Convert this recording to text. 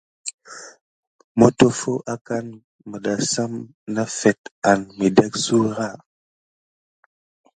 Motoffo akani midasame nafet an mikeka sura.